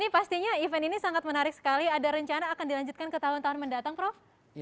pastinya event ini sangat menarik sekali ada rencana akan dilanjutkan ke tahun tahun mendatang prof